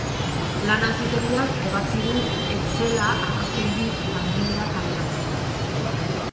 Lan auzitegiak ebatzi du ez zela arrazoirik langilea kaleratzeko.